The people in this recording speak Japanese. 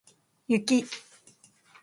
雪